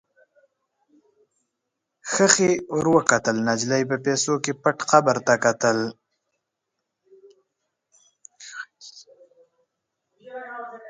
ښخې ور وکتل، نجلۍ په پیسو کې پټ قبر ته کتل.